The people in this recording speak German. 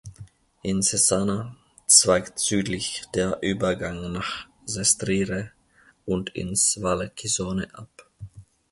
In Cesana zweigt südlich der Übergang nach Sestriere und ins Val Chisone ab.